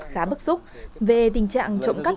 khá bức xúc về tình trạng trộn cắp